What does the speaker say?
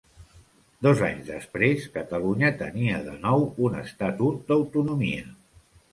Dos anys després, Catalunya tenia de nou un Estatut d'Autonomia.